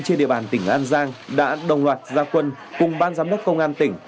trên địa bàn tỉnh an giang đã đồng loạt gia quân cùng ban giám đốc công an tỉnh